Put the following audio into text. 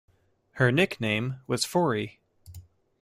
Her nickname was Fori.